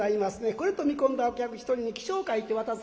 これと見込んだお客一人に起請を書いて渡す。